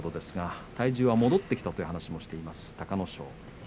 しかし体重が戻ってきたという話をしていました。